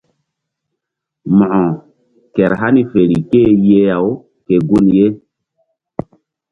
Mo̧ko kehr hani fer ké-e yeh-aw ke gun ye.